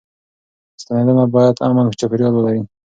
ستنېدنه بايد امن چاپيريال ولري.